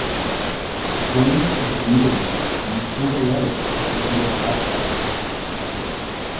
Trains of the B Division use single letters of the English alphabet.